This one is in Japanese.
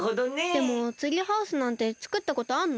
でもツリーハウスなんてつくったことあんの？